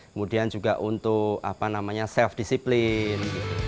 kemudian juga untuk berdisiplin